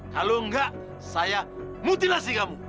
kalau enggak saya mutilasi kamu